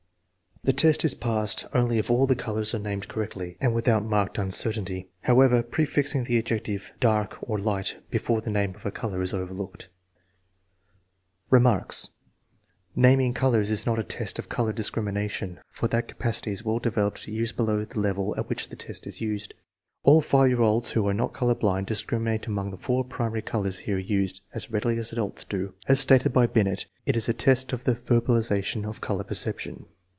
The test is passed only if all the colors are named correctly and without marked uncertainty. However, prefixing the adjective " dark," or " light," before the name of a color is overlooked. Remarks. Naming colors is not a test of color discrimi nation, for that capacity is well developed years below the level at which this test is used. All 5 year olds who are not color blind discriminate among the four primary colors here used as readily as adults do. As stated by Binet, it is a test of the " verbalization of color perception."